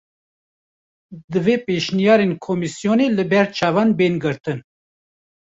Divê pêşniyarên komîsyonê li ber çavan bên girtin